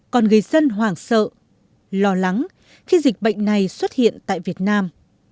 còn người dân hoảng sợ lo lắng khi dịch bệnh này xuất hiện tại việt nam